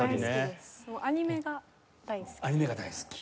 アニメが大好き。